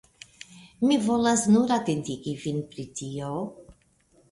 Mi volis nur atentigi vin pri tio.